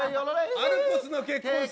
アルプスの結婚式？